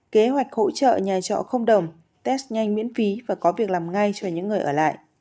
kế hoạch hỗ trợ nhà trọ không đồng test nhanh miễn phí và có việc làm ngay cho những người ở lại